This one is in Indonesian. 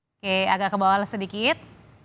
oke agak ke bawah sedikit